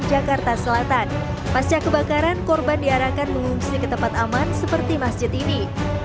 jakarta selatan pasca kebakaran korban diarahkan mengungsi ke tempat aman seperti masjid ini